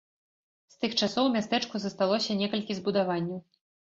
З тых часоў у мястэчку засталося некалькі збудаванняў.